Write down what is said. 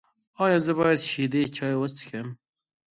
ایا زه باید شیدې چای وڅښم؟